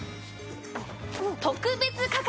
特別価格！